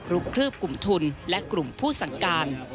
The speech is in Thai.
ครืบกลุ่มทุนและกลุ่มผู้สั่งการ